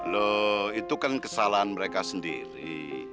loh itu kan kesalahan mereka sendiri